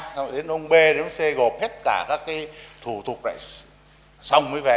xong rồi đến ông b xong rồi đến ông c gộp hết cả các thủ tục này xong mới về